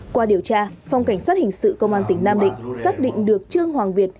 qua điều tra phòng cảnh sát hình sự công an tỉnh nam định xác định được trương hoàng việt